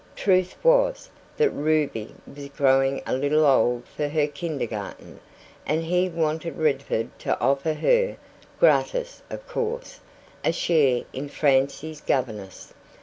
Truth was, that Ruby was growing a little old for her Kindergarten, and he wanted Redford to offer her (gratis, of course) a share in Francie's governess.